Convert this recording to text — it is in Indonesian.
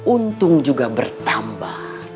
untung juga bertambah